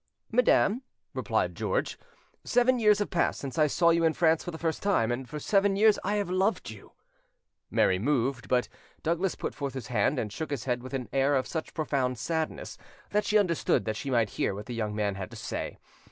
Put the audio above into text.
"Madam," replied George, "seven years have passed since I saw you in France for the first time, and for seven years I have loved you". Mary moved; but Douglas put forth his hand and shook his head with an air of such profound sadness, that she understood that she might hear what the young man had to say.